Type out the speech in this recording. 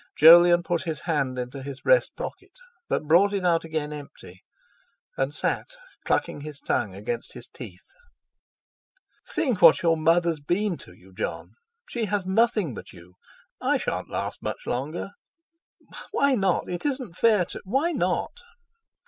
Jolyon put his hand into his breast pocket, but brought it out again empty, and sat, clucking his tongue against his teeth. "Think what your mother's been to you, Jon! She has nothing but you; I shan't last much longer." "Why not? It isn't fair to—Why not?"